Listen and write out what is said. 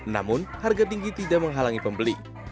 namun harga tinggi tidak menghalangi pembeli